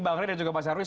bang reda juga pak sarwi